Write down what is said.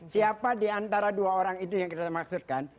siapa diantara dua orang itu yang kita maksudkan